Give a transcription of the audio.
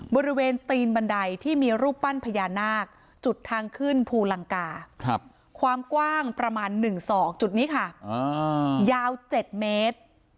บริเวณตีนบันไดที่มีรูปปั้นพญานาคจุดทางขึ้นภูลังกาความกว้างประมาณ๑ศอกจุดนี้ค่ะยาว๗เมตร